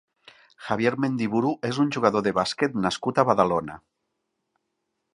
Javier Mendiburu és un jugador de bàsquet nascut a Badalona.